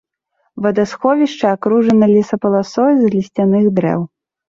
Вадасховішча акружана лесапаласой з лісцяных дрэў.